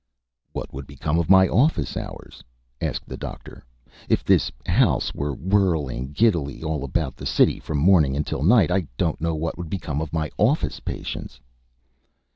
"What would become of my office hours?" asked the Doctor. "If this house were whirling giddily all about the city from morning until night, I don't know what would become of my office patients."